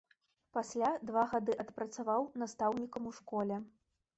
Пасля два гады адпрацаваў настаўнікам у школе.